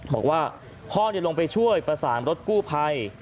บอกว่าพ่อลงไปช่วยประสานรถกู้ภัย